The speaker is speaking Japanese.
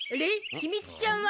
ひみつちゃんは？